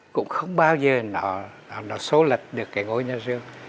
cũng không bao giờ nó số lệch được cái ngôi nhà rường